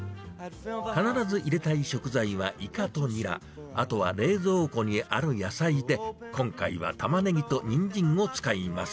必ず入れたい食材はイカとニラ、あとは冷蔵庫にある野菜で、今回はタマネギとニンジンを使います。